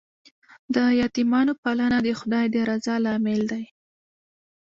د یتیمانو پالنه د خدای د رضا لامل دی.